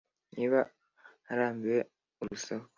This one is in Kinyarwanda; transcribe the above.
niba arambiwe urusaku